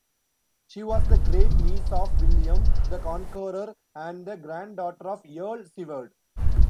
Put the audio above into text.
She was the great-niece of William the Conqueror and the granddaughter of Earl Siward.